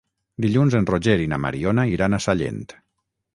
Dilluns en Roger i na Mariona iran a Sallent.